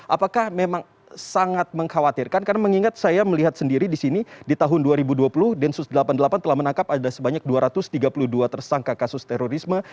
apakah memang sangat mengkhawatirkan karena mengingat saya melihat sendiri di sini di tahun dua ribu dua puluh densus delapan puluh delapan telah menangkap ada sebanyak dua ratus tiga puluh dua tersangka kasus terorisme